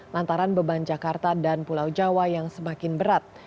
lantaran beban jakarta dan pulau jawa yang semakin berat